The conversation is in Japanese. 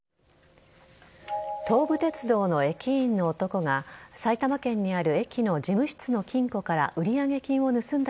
東武鉄道の駅員の男が埼玉県にある駅の事務室の金庫から売上金を盗んだ